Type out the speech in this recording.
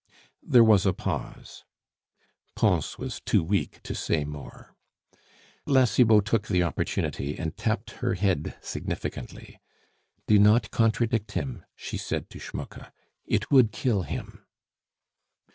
There was a pause. Pons was too weak to say more. La Cibot took the opportunity and tapped her head significantly. "Do not contradict him," she said to Schmucke; "it would kill him."